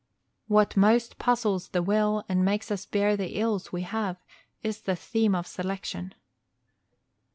What most puzzles the will and makes us bear the ills we have is the theme of selection.